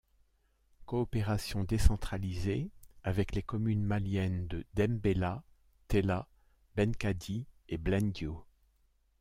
Coopération décentralisée avec les communes maliennes de Dembella, Tella, Benkadi et Blendio.